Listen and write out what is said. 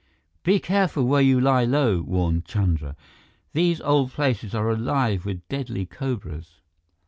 "Be careful where you lie low," warned Chandra. "These old places are alive with deadly cobras."